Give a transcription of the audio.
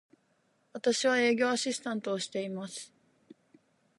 私は、営業アシスタントをしています。